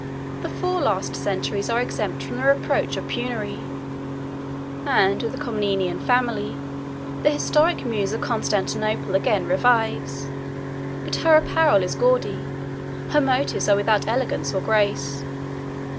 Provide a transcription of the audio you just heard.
The four last centuries are exempt from the reproach of penury; and with the Comnenian family, the historic muse of Constantinople again revives, but her apparel is gaudy, her motions are without elegance or grace.